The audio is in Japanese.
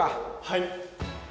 はい。